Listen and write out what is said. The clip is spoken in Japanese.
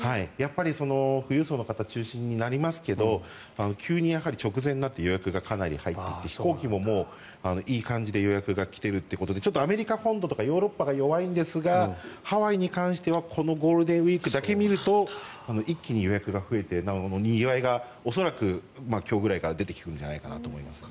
富裕層の方中心になりますけど直前に予約がかなり入ってきて飛行機もいい感じで予約が来てるということでちょっとアメリカ本土とかヨーロッパが弱いんですがハワイに関してはこのゴールデンウィークだけ見ると一気に予約が増えてにぎわいが恐らく今日ぐらいから出てくるんじゃないかなと思いますけどね。